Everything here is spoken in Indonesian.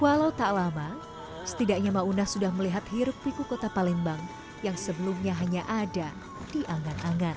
walau tak lama setidaknya maunah sudah melihat hirup piku kota palembang yang sebelumnya hanya ada di anggar angan